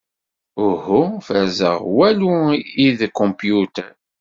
Uhu ferrzeɣ walu id computer.